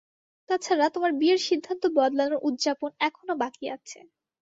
তাছাড়া, তোমার বিয়ের সিদ্ধান্ত বদলানোর উদযাপন এখনো বাকি আছে।